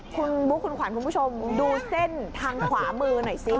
คุณบุ๊คคุณขวัญคุณผู้ชมดูเส้นทางขวามือหน่อยซิ